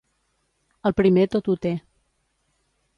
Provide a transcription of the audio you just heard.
El primer tot ho té.